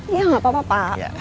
iya enggak apa apa pak